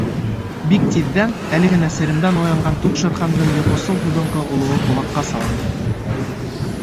Бик тиҙҙән әле генә серемдән уянған туҡ Шер-Хандың йоҡосол, һуҙынҡы олоуы ҡолаҡҡа салынды.